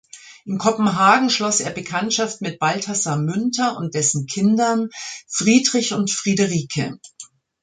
In Kopenhagen schloss er Bekanntschaft mit Balthasar Münter und dessen Kindern Friedrich und Friederike.